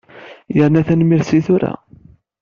Yerna tanemmirt si tura.